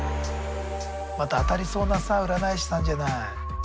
また当たりそうなさ占い師さんじゃない。